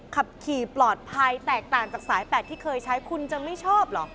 ขับขี่ปลอดภัยแตกต่างจากสาย๘ที่เคยใช้คุณจะไม่ชอบเหรอ